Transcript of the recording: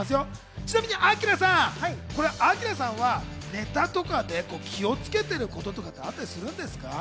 ちなみにアキラさん、ネタとかで気をつけていることとかあったりするんですか？